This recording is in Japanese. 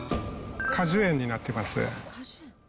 果樹園になってます。